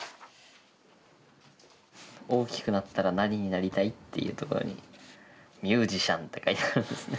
「おおきくなったらなにになりたい？」っていうところに「みゅーじしゃん」って書いてあるんですね。